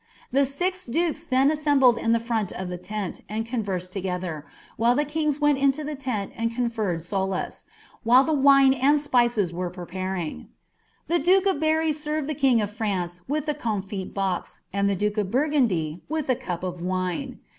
The six dukes then assemblrd in front of the lent, and conversed together, while the kings v iliv trni ami conferred solus, while the wine and spicks were piep«rinb | The duke of Bern served the king of France with the comfit boi. UM> thp duke of Burgundy with the cup of wine.